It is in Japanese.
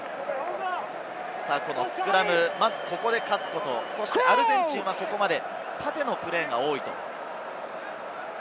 まず、ここで勝つこと、アルゼンチンはここまで縦のプレーが多い。